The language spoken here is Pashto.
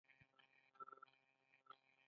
ایا زه باید ترش خواړه وخورم؟